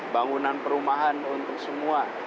bangunan perumahan untuk semua